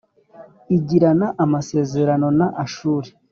igirana amasezerano na Ashuru,